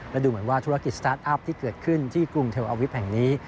และดูเหมือนว่าธุรกิจสตาร์ทอัพที่เกิดขึ้นที่กรุงเทลอาวิฟต์แห่งนี้